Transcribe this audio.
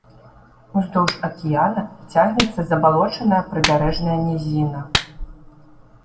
Уздоўж акіяна цягнецца забалочаная прыбярэжная нізіна.